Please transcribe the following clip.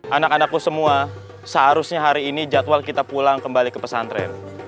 anak anakku semua seharusnya hari ini jadwal kita pulang kembali ke pesantren